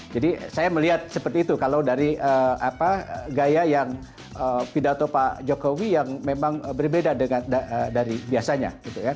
jadi saya melihat seperti itu kalau dari gaya yang pidato pak jokowi yang memang berbeda dari biasanya